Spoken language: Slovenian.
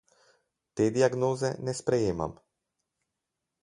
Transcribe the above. Te diagnoze ne sprejemam.